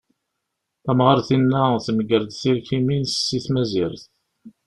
Tamɣart-inna temger-d tirkimin si tmazirt.